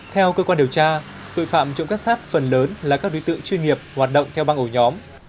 theo cơ quan điều tra tội phạm trộm cắp sát phần lớn là các đối tượng chuyên nghiệp hoạt động theo băng ổ nhóm